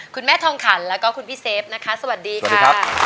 ทองขันแล้วก็คุณพี่เซฟนะคะสวัสดีค่ะ